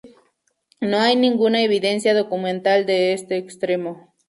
No hay ninguna evidencia documental de este extremo.